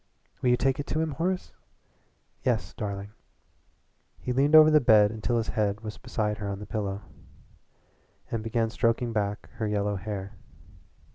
Will you take it to him, Horace?" "Yes, darling." He leaned over the bed until his head was beside her on the pillow, and began stroking back her yellow hair.